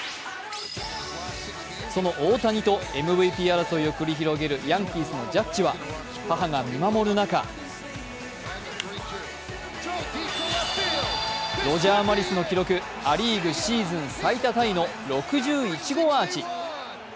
その大谷とＭＶＰ争いを繰り広げるヤンキースのジャッジは母が見守る中ロジャー・マリスの記録、ア・リーグシーズン最多タイの６１号アーチ。